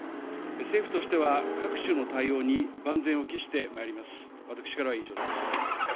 政府としては各種の対応に万全を期してまいります。